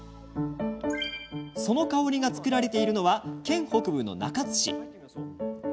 その香りが作られているのは県北部の中津市。